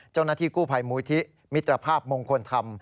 เจ้าหน้าที่กู้ภัยมูลที่มิตรภาพมงคลธรรม